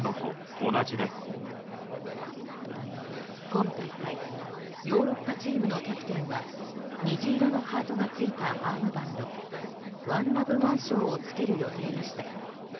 今大会ヨーロッパチームのキャプテンは虹色のハートがついたアームバンドＯＮＥＬＯＶＥ腕章を着ける予定でした。